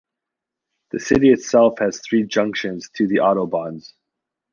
The city itself has three junctions to the autobahns.